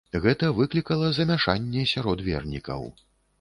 Гэта выклікала замяшанне сярод вернікаў.